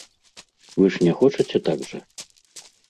Вы ж не хочаце так жа?